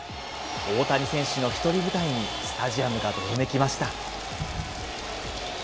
大谷選手の一人舞台に、スタジアムがどよめきました。